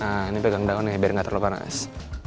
nah ini pegang daun ya biar nggak terlalu panas